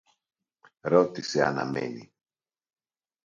ρώτησε αναμμένη.